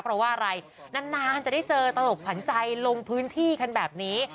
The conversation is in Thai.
เพราะว่าอะไรนานจะได้เจอตลกขวัญใจลงพื้นที่กันแบบนี้